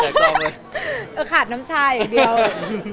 ขาดน้ำชาอย่างเดียว